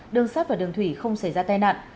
đường sát và đường thủy không xảy ra tai nạn